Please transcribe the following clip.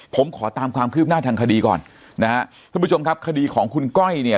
ผมขอตามความคืบหน้าทางคดีก่อนนะฮะท่านผู้ชมครับคดีของคุณก้อยเนี่ย